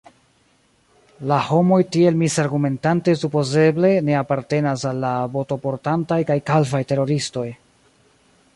La homoj tiel misargumentante supozeble ne apartenas al la botoportantaj kaj kalvaj teroristoj.